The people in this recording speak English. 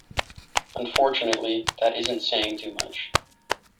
Unfortunately, that isn't saying too much.